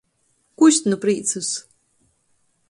Kust nu prīcys.